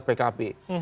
dari golkar dengan pkp